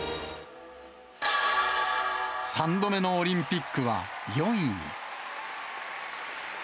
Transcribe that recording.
３度目のオリンピックは４位。